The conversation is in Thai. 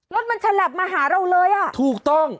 รถมันฉลับมาหาเราเลยอ่ะถูกต้อง